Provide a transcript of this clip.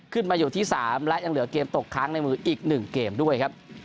ขึ้นมาอยู่ที่๓และยังเหลือเกมตกค้างในมืออีก๑เกมด้วยครับ